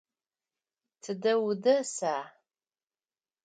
Тыдэ удэса?